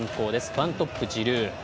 ワントップにジルー。